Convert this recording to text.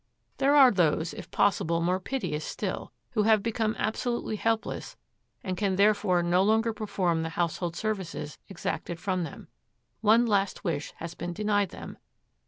There are those, if possible more piteous still, who have become absolutely helpless and can therefore no longer perform the household services exacted from them. One last wish has been denied them.